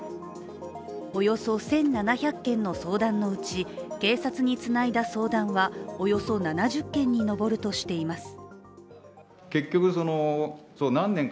およそ１７００件の相談のうち警察につないだ相談はおよそ７０件に上るとしています。